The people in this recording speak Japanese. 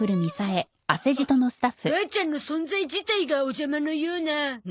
母ちゃんの存在自体がおじゃまのような。